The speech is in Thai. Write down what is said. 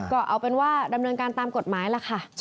ก็เอาเป็นว่าดำเนินการตามกฎหมายล่ะค่ะ